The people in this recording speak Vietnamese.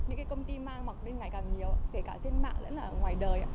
những công ty ma mặc lên ngày càng nhiều kể cả trên mạng ngoài đời